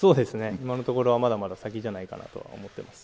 今のところはまだまだ先じゃないかなとは思っています。